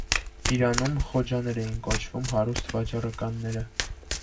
Իրանում խոջաներ էին կոչվում հարուստ վաճառականները։